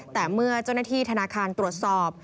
แต่เมื่อเจ้าหน้าที่ธนาคารตรวจสอบ